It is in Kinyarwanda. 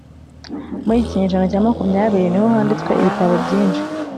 Muri iki kinyejana cya makumyabiri ni ho handitswe ibitabo byinshi